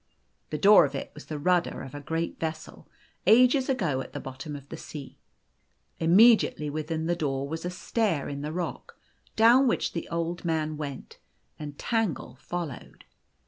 The door of it was the rudder of a great vessel, ages ago at the bottom of the sea. Im mediately within the door was a stair in the rock, down which the Old Man went, and Tangle followed.